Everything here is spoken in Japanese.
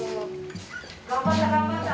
頑張った頑張った！